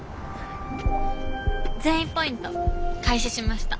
善意ポイント開始しました。